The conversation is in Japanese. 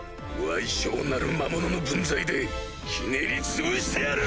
矮小なる魔物の分際でひねりつぶしてやる‼